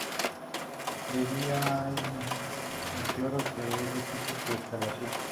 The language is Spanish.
De día hay meteoros pero es difícil su observación.